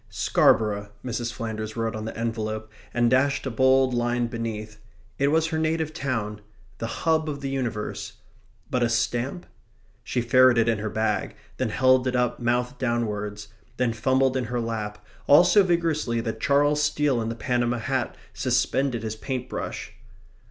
"Scarborough," Mrs. Flanders wrote on the envelope, and dashed a bold line beneath; it was her native town; the hub of the universe. But a stamp? She ferreted in her bag; then held it up mouth downwards; then fumbled in her lap, all so vigorously that Charles Steele in the Panama hat suspended his paint brush.